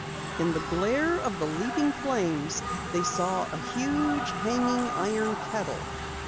In the glare of the leaping flames they saw a huge, hanging iron kettle.